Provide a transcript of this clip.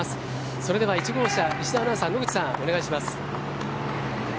それでは１号車石田アナウンサー、野口さんお願いします。